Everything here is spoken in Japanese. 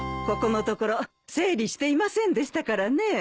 ここのところ整理していませんでしたからね。